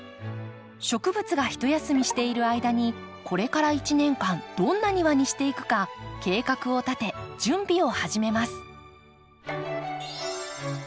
植物がひと休みしている間にこれから一年間どんな庭にしていくか計画を立て準備を始めます。